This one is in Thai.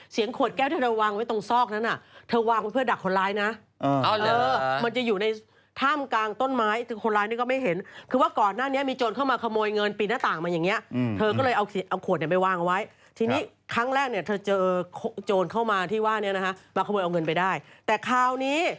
เสียงขวดแก้วที่เธอวางไว้ตรงซอกนั้น